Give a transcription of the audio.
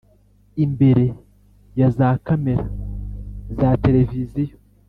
imbere ya za kamera za televiziyo,